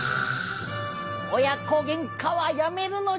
おや子げんかはやめるのじゃ！